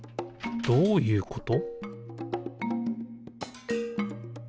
どういうこと？